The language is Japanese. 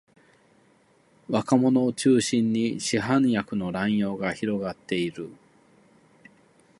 若者を中心に市販薬の乱用が広がっている